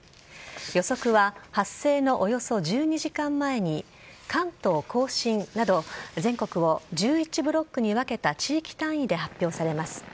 予測は発生のおよそ１２時間前に関東甲信など全国を１１ブロックに分けた地域単位で発表されます。